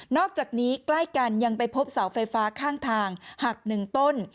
อกจากนี้ใกล้กันยังไปพบเสาไฟฟ้าข้างทางหักหนึ่งต้น